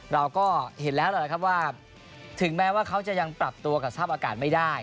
เราก็เห็นแล้วแหละครับว่าถึงแม้ว่าเขาจะยังปรับตัวกับสภาพอากาศไม่ได้